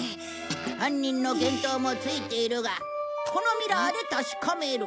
犯人の見当もついているがこのミラーで確かめる。